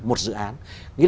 một dự án